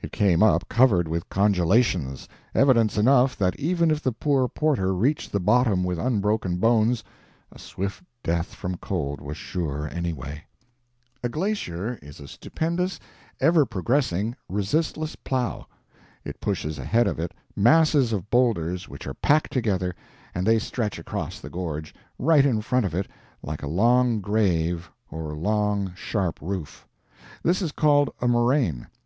It came up covered with congelations evidence enough that even if the poor porter reached the bottom with unbroken bones, a swift death from cold was sure, anyway. A glacier is a stupendous, ever progressing, resistless plow. It pushes ahead of it masses of boulders which are packed together, and they stretch across the gorge, right in front of it, like a long grave or a long, sharp roof. This is called a moraine.